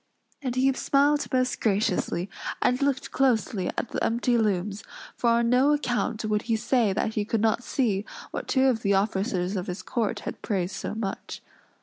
And he smiled most graciously, and looked closely at the empty looms; for on no account would he say that he could not see what two of the officers of his court had praised so much.